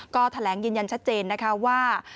ก็แถลงยืนยันชัดเจนนะคะว่า